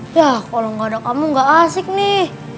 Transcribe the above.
ya kalau nggak ada kamu gak asik nih